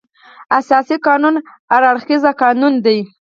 اساسي قانون هر اړخیز قانون دی.